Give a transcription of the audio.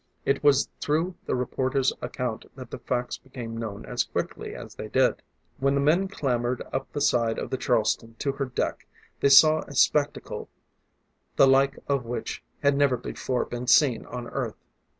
It was through the reporter's account that the facts became known as quickly as they did. When the men clambered up the side of the Charleston to her deck, they saw a spectacle the like of which had never before been seen on Earth.